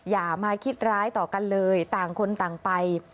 อย่ามาคิดร้ายต่อกันเลยต่างคนต่างไป